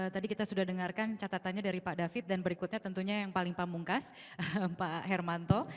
tadi kita sudah dengarkan catatannya dari pak david dan berikutnya tentunya yang paling pamungkas pak hermanto